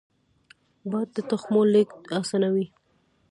باد د تخمونو لیږد اسانوي